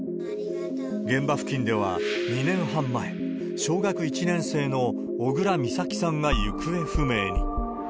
現場付近では、２年半前、小学１年生の小倉美咲さんが行方不明に。